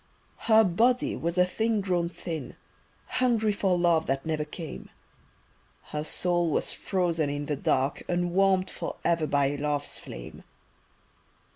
Her body was a thing grown thin, Hungry for love that never came; Her soul was frozen in the dark Unwarmed forever by love's flame.